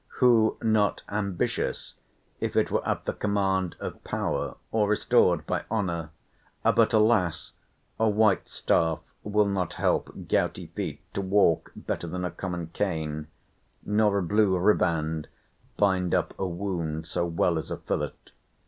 who not ambitious, if it were at the command of power, or restored by honour? but, alas! a white staff will not help gouty feet to walk better than a common cane; nor a blue riband bind up a wound so well as a fillet.